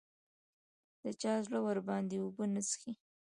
د چا زړه ورباندې اوبه نه څښي